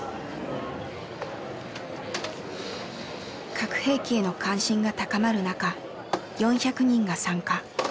核兵器への関心が高まる中４００人が参加。